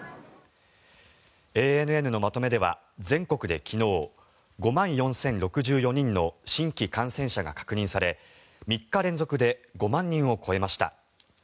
ＡＮＮのまとめでは全国で昨日５万４０６４人の新規感染者が確認され３日連続で５万人を超えました。